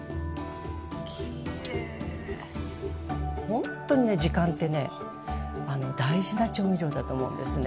ほんとね時間ってね大事な調味料だと思うんですね。